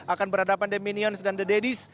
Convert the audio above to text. akan berhadapan the minions dan the daddies